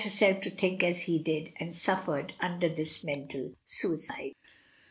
257 herself to think as he did, and suffered under this mental suicide.